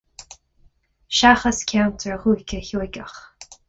Seachas ceantar Dhúiche Sheoigheach.